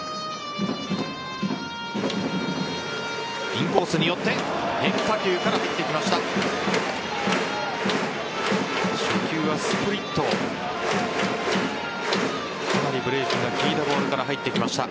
インコースに寄って変化球から入ってきました。